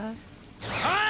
おい！